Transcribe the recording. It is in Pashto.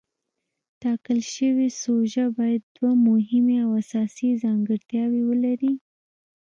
ټاکل شوې سوژه باید دوه مهمې او اساسي ځانګړتیاوې ولري.